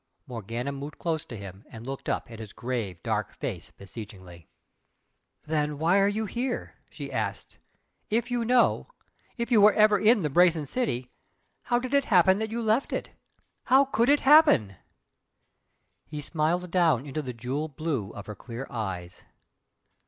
Morgana moved close to him, and looked up at his grave, dark face beseechingly. "Then why are you here?" she asked "If you know, if you were ever in the 'Brazen City' how did it happen that you left it? How could it happen?" He smiled down into the jewel blue of her clear eyes.